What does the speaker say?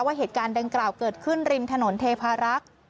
เหตุการณ์ดังกล่าวเกิดขึ้นริมถนนเทพารักษ์